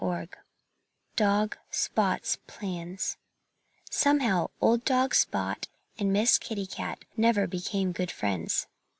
II DOG SPOT'S PLANS SOMEHOW old dog Spot and Miss Kitty Cat never became good friends.